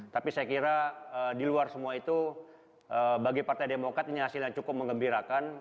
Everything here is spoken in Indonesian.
tapi saya kira di luar semua itu bagi partai demokrat ini hasilnya cukup mengembirakan